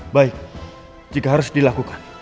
baik jika harus dilakukan